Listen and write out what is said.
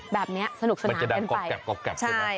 แบบนี้สนุกขนาดเป็นไปมันจะดังกรอบใช่